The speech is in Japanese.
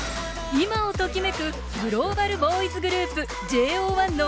今をときめくグローバルボーイズグループせの！